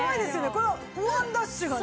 このワンダッシュがね。